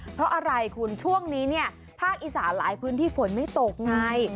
เพราะอะไรคุณช่วงนี้เนี่ยภาคอีสานหลายพื้นที่ฝนไม่ตกไง